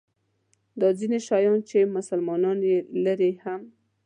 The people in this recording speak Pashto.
دا ځیني شیان چې مسلمانان یې لري هم.